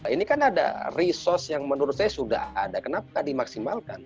ini kan ada resource yang menurut saya sudah ada kenapa dimaksimalkan